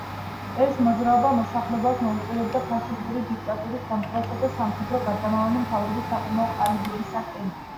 ეს მოძრაობა მოსახლეობას მოუწოდებდა ფაშისტური დიქტატურის დამხობისა და სამხედრო გარდამავალი მთავრობის ჩამოყალიბებისაკენ.